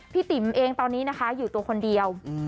พี่ติ๋มเองตอนนี้อยู่ตัวคนเดียว